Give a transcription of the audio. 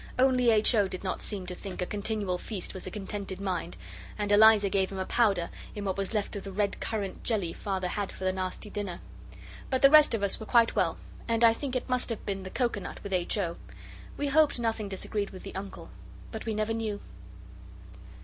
Only H. O. did not seem to think a continual feast was a contented mind, and Eliza gave him a powder in what was left of the red currant jelly Father had for the nasty dinner. But the rest of us were quite well, and I think it must have been the coconut with H. O. We hoped nothing had disagreed with the Uncle, but we never knew.